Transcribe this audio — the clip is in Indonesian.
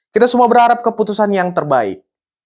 kita semua berharap keputusan yang terbaik